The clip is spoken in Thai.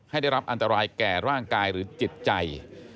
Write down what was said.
ได้รับอันตรายแก่ร่างกายหรือจิตใจ